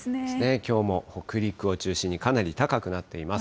きょうも北陸を中心に、かなり高くなっています。